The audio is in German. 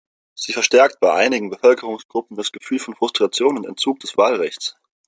Sie verstärkt bei einigen Bevölkerungsgruppen das Gefühl von Frustration und Entzug des Wahlrechts.